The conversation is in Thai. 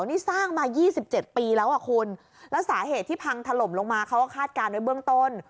นี่สร้างมา๒๗ปีแล้วอ่ะคุณแล้วสาเหตุที่พังถล่มลงมาเขาก็คาดการณ์ไว้เบื้องต้น